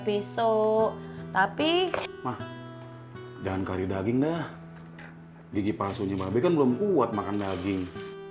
besok tapi mah jangan kari daging deh gigi palsunya babe kan belum kuat makan daging